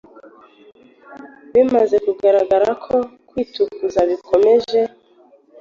Bimaze kugaragara ko kwitukuza bikomeje